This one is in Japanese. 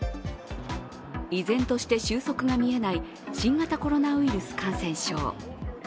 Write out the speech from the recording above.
依然として収束が見えない新型コロナウイルス感染症。